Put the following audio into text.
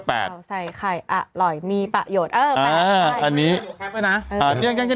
ข่าวใส่ไข่อร่อยมีประโยชน์